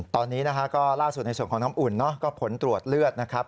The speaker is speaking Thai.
ตอนนี้นะฮะก็ล่าสุดในส่วนของน้ำอุ่นก็ผลตรวจเลือดนะครับ